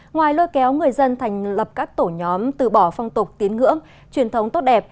ngoài lôi kéo người dân thành lập các tổ nhóm từ bỏ phong tục tín ngưỡng truyền thống tốt đẹp